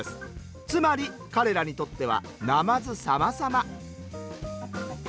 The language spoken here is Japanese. つまり彼らにとってはなまずさまさま。